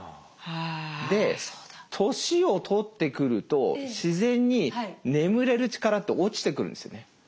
で年をとってくると自然に眠れる力って落ちてくるんですよね。